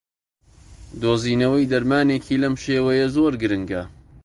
دۆزینەوەی دەرمانێکی لەم شێوەیە زۆر گرنگە